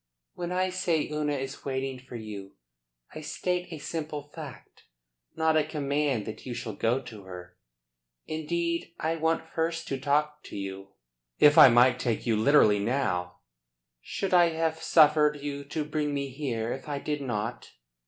When I say Una is waiting for you, I state a simple fact, not a command that you shall go to her. Indeed I want first to talk to you." "If I might take you literally now " "Should I have suffered you to bring me here if I did not?"